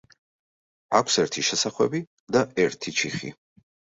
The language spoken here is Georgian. აქვს ერთი შესახვევი და ერთი ჩიხი.